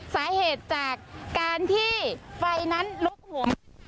สาเหตุจากการที่ไฟนั้นลุกห่วง